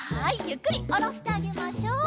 ゆっくりおろしてあげましょう。